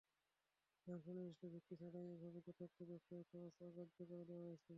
এখন সুনির্দিষ্ট ভিত্তি ছাড়াই এভাবে যথার্থ ব্যবসায়িক খরচ অগ্রাহ্য করে দেওয়া হচ্ছে।